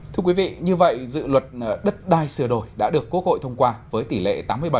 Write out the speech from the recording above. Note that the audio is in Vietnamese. thưa quý vị như vậy dự luật đất đai sửa đổi đã được quốc hội thông qua với tỷ lệ tám mươi bảy sáu mươi ba